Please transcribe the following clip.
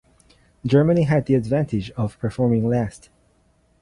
Germany had the advantage of performing last.